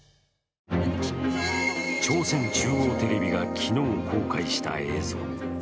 朝鮮中央テレビが昨日公開した映像。